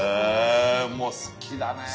もう好きだねえ。